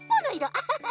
アハハハ！